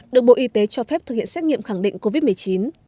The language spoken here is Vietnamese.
được bộ y tế cho phép thực hiện xét nghiệm khẳng định covid một mươi chín